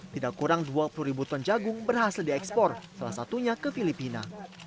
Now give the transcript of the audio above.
tidak kurang dua puluh ribu ton jagung berhasil diekspor salah satunya ke filipina